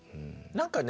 何かね